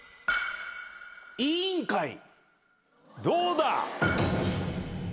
どうだ？